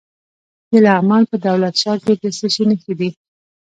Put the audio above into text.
د لغمان په دولت شاه کې د څه شي نښې دي؟